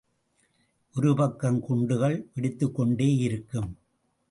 ஒரு பக்கம் குண்டுகள் வெடித்துக் கொண்டே இருக்கும்!